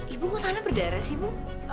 ibu kenapa tangannya berdarah sih bu